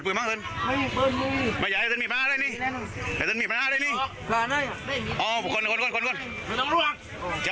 พูดมาด้วย